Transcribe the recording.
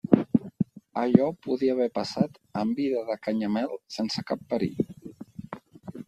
Allò podia haver passat en vida de Canyamel sense cap perill.